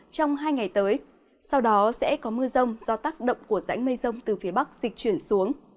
trong hai ngày tới sau đó sẽ có mưa rông do tác động của rãnh mây rông từ phía bắc dịch chuyển xuống